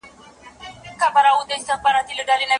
هڅه مه کوئ چي د نورو لیکوالانو نظرونه پخپل نوم خپاره کړئ.